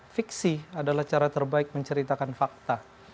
fiksi adalah cara terbaik menceritakan fakta